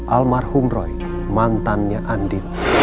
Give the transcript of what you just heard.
almarhum roy mantannya andi